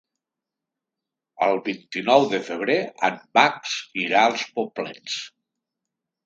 El vint-i-nou de febrer en Max irà als Poblets.